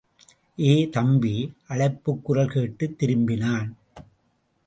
ஏ, தம்பி! அழைப்புக் குரல் கேட்டுத் திரும்பினான்.